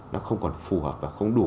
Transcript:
nó không còn phù hợp và không đủ